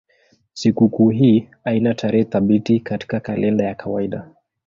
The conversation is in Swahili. Sikukuu hii haina tarehe thabiti katika kalenda ya kawaida.